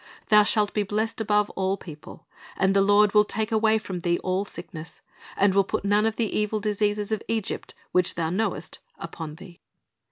Thou shalt be blessed above all people. ... And the Lord will take away from thee all sickness, and will put none of the evil diseases of Egypt, which thou knowest, upon thee."'